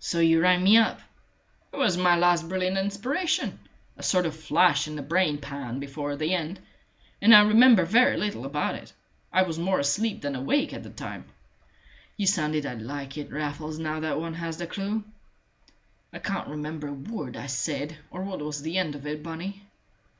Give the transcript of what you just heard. "So you rang me up!" "It was my last brilliant inspiration a sort of flash in the brain pan before the end and I remember very little about it. I was more asleep than awake at the time." "You sounded like it, Raffles, now that one has the clue." "I can't remember a word I said, or what was the end of it, Bunny."